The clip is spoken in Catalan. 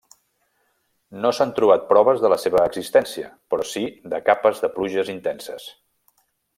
No s'han trobat proves de la seva existència però si de capes de pluges intenses.